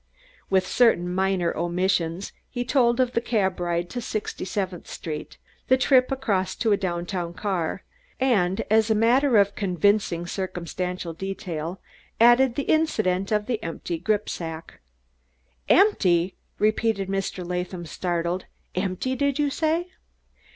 With certain minor omissions he told of the cab ride to Sixty seventh Street, the trip across to a downtown car, and, as a matter of convincing circumstantial detail, added the incident of the empty gripsack. "Empty?" repeated Mr. Latham, startled. "Empty, did you say?"